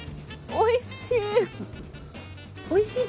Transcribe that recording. おいしい。